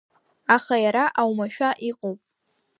Аха иара аумашәа иҟоуп.